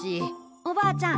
おばあちゃん。